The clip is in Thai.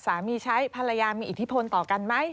ใช้ภรรยามีอิทธิพลต่อกันไหม